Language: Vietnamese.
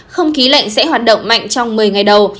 không khí lạnh sẽ hoạt động mạnh trong một mươi ngày đầu